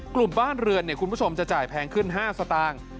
กลุ่มบ้านเรือนคุณผู้ชมจะจ่ายแพงขึ้น๕สตางค์